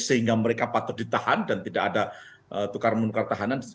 sehingga mereka patut ditahan dan tidak ada tukar menukar tahanan